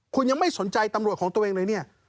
คุณยังไม่สนใจตำรวจของตัวเองเลยเนี่ย